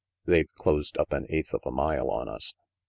" They've closed up an eighth of a mile on us.